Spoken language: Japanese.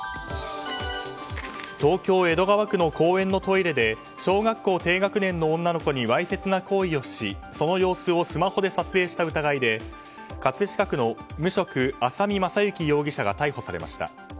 東京・江戸川区の公園のトイレで小学校低学年の女の子にわいせつな行為をしその様子をスマホで撮影した疑いで葛飾区の無職・浅見雅之容疑者が逮捕されました。